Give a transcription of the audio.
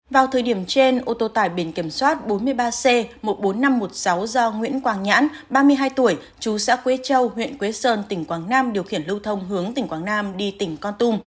vào thời điểm trên ô tô tải biển kiểm soát bốn mươi ba c một mươi bốn nghìn năm trăm một mươi sáu do nguyễn quảng nhãn ba mươi hai tuổi chú xã quế châu huyện quế sơn tỉnh quảng nam điều khiển lưu thông hướng tỉnh quảng nam đi tỉnh con tum